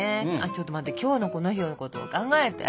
ちょっと待って今日のこの日のことを考えて。